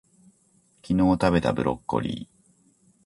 昨日たべたブロッコリー